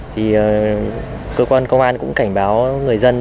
thì cơ quan công an cũng cảnh báo người dân